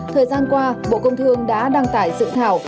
thời gian qua bộ công thương đã đăng tải dự thảo